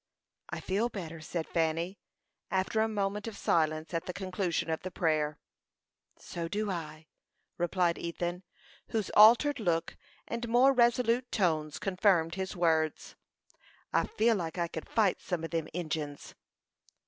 "I feel better," said Fanny, after a moment of silence at the conclusion of the prayer. "So do I," replied Ethan, whose altered look and more resolute tones confirmed his words. "I feel like I could fight some o' them Injins."